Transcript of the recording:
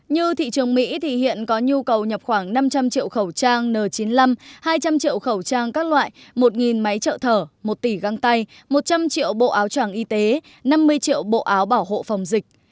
như thị trường mỹ thì hiện có nhu cầu nhập khoảng năm trăm linh triệu khẩu trang n chín mươi năm hai trăm linh triệu khẩu trang các loại một máy trợ thở một tỷ găng tay một trăm linh triệu bộ áo tràng y tế năm mươi triệu bộ áo bảo hộ phòng dịch